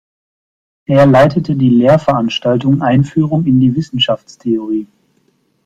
Er leitete die Lehrveranstaltung „Einführung in die Wissenschaftstheorie“.